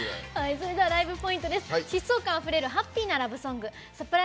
それではライブポイントです。